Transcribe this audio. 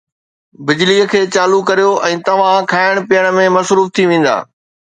بجليءَ کي چالو ڪريو ۽ توهان کائڻ پيئڻ ۾ مصروف ٿي ويندا